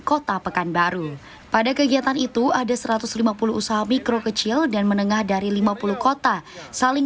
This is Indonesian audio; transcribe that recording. kota pekanbaru pada kegiatan itu ada satu ratus lima puluh usaha mikro kecil dan menengah dari lima puluh kota saling